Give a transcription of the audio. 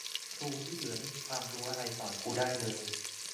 ครูที่เหลือไม่มีความรู้สอนอะไรกูได้เลย